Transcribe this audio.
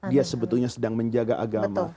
dia sebetulnya sedang menjaga agama